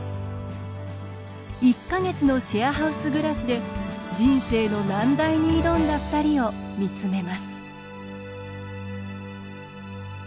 １か月のシェアハウス暮らしで人生の難題に挑んだふたりを見つめます。